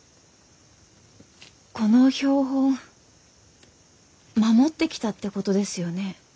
この標本守ってきたってことですよね？